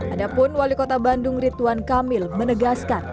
adapun wali kota bandung ridwan kamil menegaskan